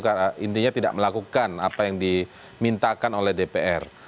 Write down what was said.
karena intinya tidak melakukan apa yang dimintakan oleh dpr